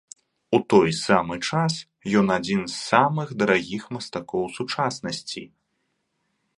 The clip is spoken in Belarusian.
У той самы час ён адзін з самых дарагіх мастакоў сучаснасці.